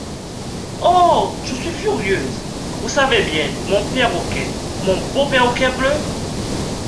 Oh ! je suis furieuse !… vous savez bien, mon perroquet… mon beau perroquet bleu ?…